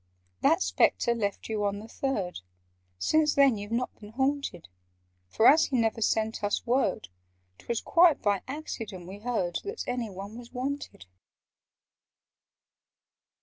"That Spectre left you on the Third— Since then you've not been haunted: For, as he never sent us word, 'Twas quite by accident we heard That any one was wanted.